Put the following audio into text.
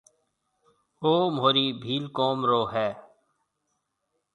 او مهورِي ڀيل قوم رو هيَ۔